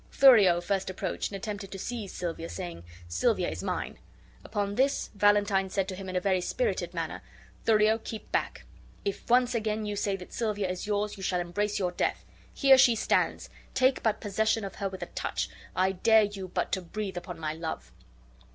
Thurio first approached, and attempted to seize Silvia, saying, "Silvia is mine." Upon this Valentine said to him in a very spirited manner: "Thurio, keep back. If once again you say that Silvia is yours, you shall embrace your death. Here she stands, take but possession of her with a touch! I dare you but to breathe upon my love."